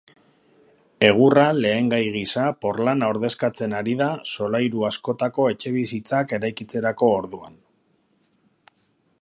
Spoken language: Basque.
Egurra lehengai gisa porlana ordezkatzen ari da solairu askotako etxebizitzak eraikitzerako orduan.